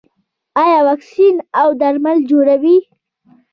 دوی واکسین او درمل جوړوي.